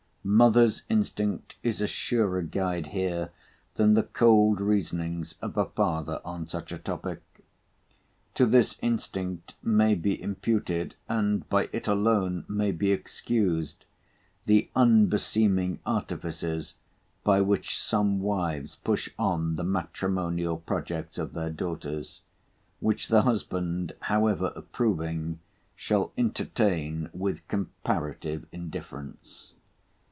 Mothers' instinct is a surer guide here, than the cold reasonings of a father on such a topic. To this instinct may be imputed, and by it alone may be excused, the unbeseeming artifices, by which some wives push on the matrimonial projects of their daughters, which the husband, however approving, shall entertain with comparative indifference.